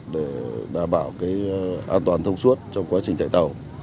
để đảm bảo an toàn thông suốt trong quá trình chạy tàu